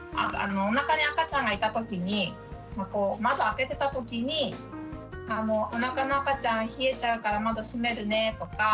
おなかに赤ちゃんがいたときに窓開けてたときに「おなかの赤ちゃん冷えちゃうから窓閉めるね」とか。